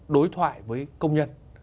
đối thoại với công nhân